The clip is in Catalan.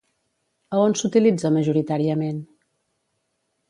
A on s'utilitza majoritàriament?